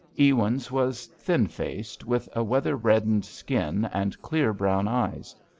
Ewins was thin faced, with a weather reddened skin and clear, brown eyes.